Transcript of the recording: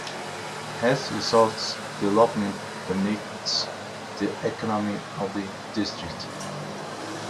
Health resorts development dominates the economy of the district.